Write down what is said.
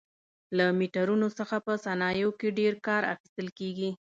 له میټرونو څخه په صنایعو کې ډېر کار اخیستل کېږي.